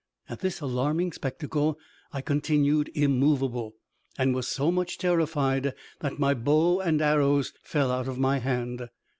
At this alarming spectacle I continued immovable, and was so much terrified that my bow and arrows fell out of my hand.